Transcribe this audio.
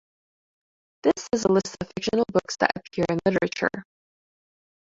This is a list of fictional books that appear in literature.